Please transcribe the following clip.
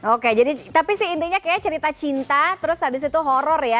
oke jadi tapi sih intinya kayaknya cerita cinta terus habis itu horror ya